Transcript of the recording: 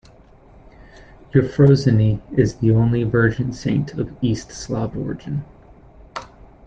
Euphrosyne is the only virgin saint of East Slav origin.